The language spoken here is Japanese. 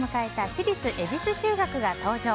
私立恵比寿中学が登場！